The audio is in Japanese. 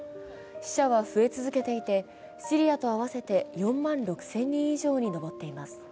死者は増え続けていて、シリアと合わせて４万６０００人以上にのぼっています。